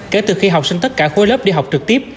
kể từ khi học sinh tất cả khối lớp đi học trực tiếp